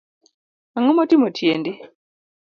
Angomotimo tiendi